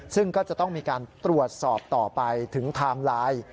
ซึ่งก็จะต้องมีการตรวจสอบต่อไปถึงไทม์ไลน์